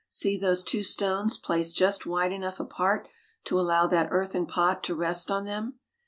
See those two stones placed just wide enough apart to allow that earthen pot to rest on them.